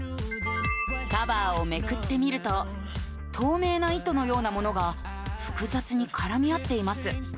カバーをめくってみると透明な糸のようなものが複雑に絡み合っています